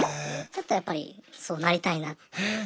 ちょっとやっぱりそうなりたいなって。